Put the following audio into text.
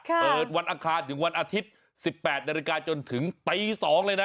เปิดวันอาคารถึงวันอาทิตย์๑๘นจนถึงใต้๒เลยนะ